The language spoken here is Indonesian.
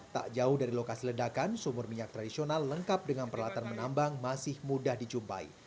tak jauh dari lokasi ledakan sumur minyak tradisional lengkap dengan peralatan menambang masih mudah dijumpai